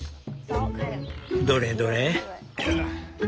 「どれどれ？」。